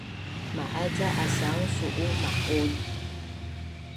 Ma’a ca asaun su’u ma’un?